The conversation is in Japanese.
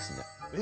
え？